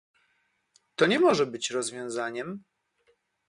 To nie może być rozwiązaniem